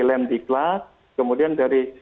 lempiklat kemudian dari